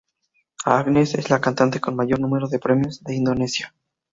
Agnes es la cantante con mayor número de premios de Indonesia.